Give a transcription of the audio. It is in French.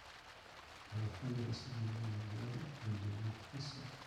À la fin de la Seconde Guerre mondiale, elle devint professeur.